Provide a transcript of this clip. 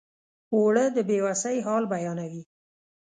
اوړه د بې وسۍ حال بیانوي